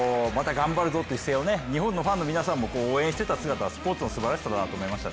頑張るぞという姿勢を日本のファンの皆さんの応援してた姿、すばらしいと思いました。